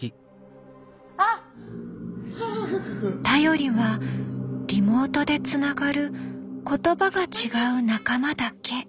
頼りはリモートでつながる言葉が違う仲間だけ。